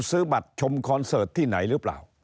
ซื้อบัตรชมคอนเสิร์ตที่ไหนหรือเปล่า